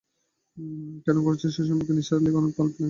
কেন করছে না, সেই সম্পর্কেও নিসার আলি অনেক ভাবলেন।